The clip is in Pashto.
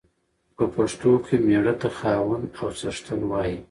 په پښتو کې مېړه ته خاوند او څښتن وايي.